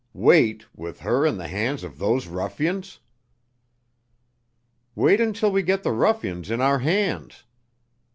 Wait, with her in the hands of those ruffians!" "Wait until we get the ruffians in our hands.